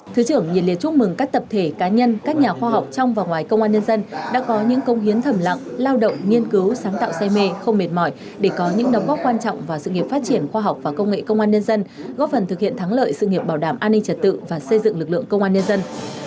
thứ trưởng nhiệt liệt chúc mừng các tập thể cá nhân các nhà khoa học trong và ngoài công an nhân dân đã có những công hiến thầm lặng lao động nghiên cứu sáng tạo say mê không mệt mỏi để có những đóng góp quan trọng vào sự nghiệp phát triển khoa học và công nghệ công an nhân dân góp phần thực hiện thắng lợi sự nghiệp bảo đảm an ninh trật tự và xây dựng lực lượng công an nhân dân